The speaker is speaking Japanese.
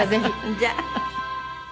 じゃあ。